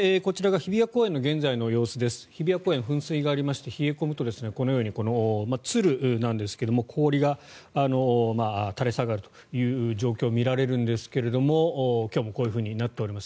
日比谷公園、噴水がありまして冷え込むとこのようにツルなんですけど氷が垂れ下がるという状況が見られるんですが今日もこういうふうになっております。